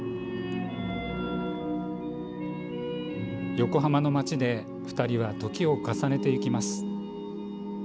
横浜の街で２人は時を重ねていきます。